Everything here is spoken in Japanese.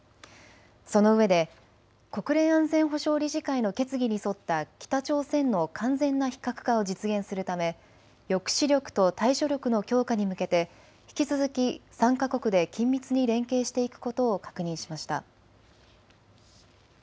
そのうえで国連安全保障理事会の決議に沿った北朝鮮の完全な非核化を実現するため抑止力と対処力の強化に向けて引き続き３か国で緊密に連携していくことを確認しました。